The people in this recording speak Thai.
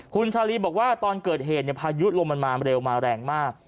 คุณชาลีบอกว่าตอนเกิดเหตุพายุลมมันมาเร็วมาแรงมาก